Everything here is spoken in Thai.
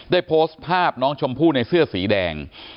ได้โพสต์ภาพน้องชมพู่ในเสื้อสีแดง